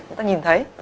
chúng ta nhìn thấy